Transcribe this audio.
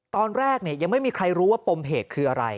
ตอนแรกยังไม่มีใครรู้ว่าปมเหตุคืออะไร